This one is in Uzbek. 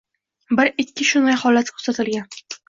Bir-ikki shunday holat kuzatilgan